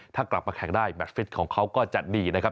ถ้ากลับมาแข่งได้แมทฟิตของเขาก็จะดีนะครับ